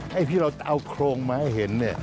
ให้พี่เราเอาโครงมาให้เห็น